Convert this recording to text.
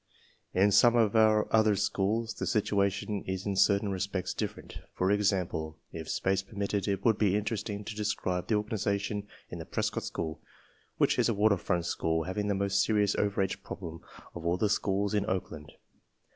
In some of our other schools the situation is in certain respects different. For example, if space permitted it would be interesting to describe the organization in thg Prpgnntf, ftohnnl. which is a waterfron t school having the most serious over age problem of all the schools in Oakland.